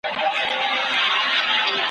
له نیکونو او له لویو استادانو !.